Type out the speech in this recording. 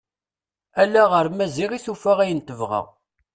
Ala ɣer Maziɣ i tufa ayen tebɣa.